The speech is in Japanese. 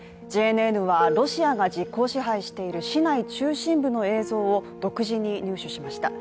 ＪＮＮはロシアが実効支配している市内中心部の映像を独自に入手しました。